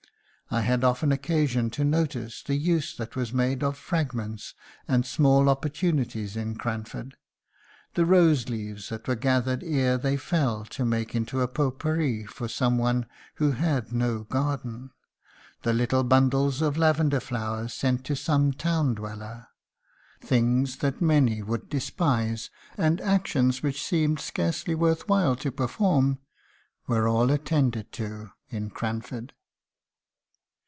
"I had often occasion to notice the use that was made of fragments and small opportunities in Cranford: the rose leaves that were gathered ere they fell to make into a pot pourri for some one who had no garden; the little bundles of lavender flowers sent to some town dweller. Things that many would despise, and actions which it seemed scarcely worth while to perform, were all attended to in Cranford."